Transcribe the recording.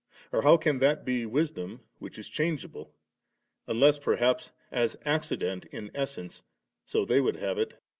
or can that be Wisdom which is changeable ? unless perhaps, as acci dent in essence^ so they would have it, viz.